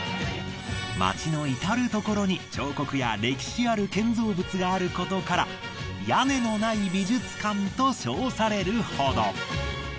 街のいたるところに彫刻や歴史ある建造物があることから屋根のない美術館と称されるほど。